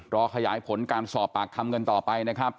รอขยายผลการสอบปากคำกันต่อไปนะครับ